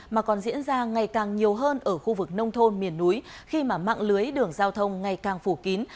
mà còn diễn ra ngày càng nhiều hơn ở khu vực nông thôn miền núi khi mà mạng lưới đường giao thông ngày càng phủ kín